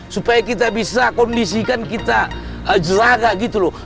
supaya kita bisa kondisikan kita jeraga gitu loh